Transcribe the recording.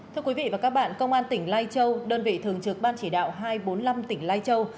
thưa quý vị và các bạn công an tỉnh lai châu đơn vị thường trực ban chỉ đạo hai trăm bốn mươi năm tỉnh lai châu